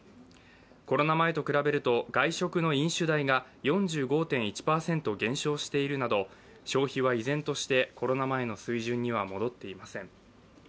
コロナ前と比べると外食の飲酒代が４５．１％減少しているなど消費は依然としてコロナ前の水準には戻っていません。